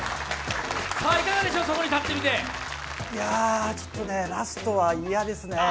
いかがでしょう、そこに立ってみてちょっとね、ラストは嫌ですね